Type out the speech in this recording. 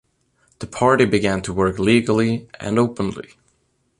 The Party began to work legally and openly.